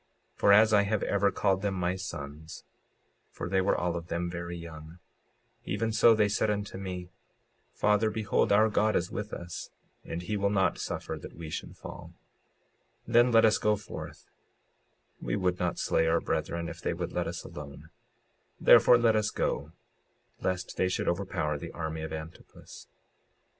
56:46 For as I had ever called them my sons (for they were all of them very young) even so they said unto me: Father, behold our God is with us, and he will not suffer that we should fall; then let us go forth; we would not slay our brethren if they would let us alone; therefore let us go, lest they should overpower the army of Antipus.